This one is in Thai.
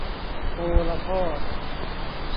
โอละพ่อ